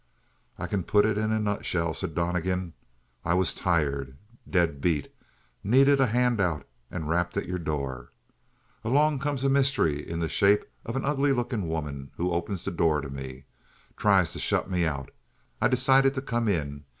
"I can put it in a nutshell," said Donnegan. "I was tired; dead beat; needed a handout, and rapped at your door. Along comes a mystery in the shape of an ugly looking woman and opens the door to me. Tries to shut me out; I decided to come in.